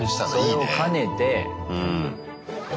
それを兼ねて。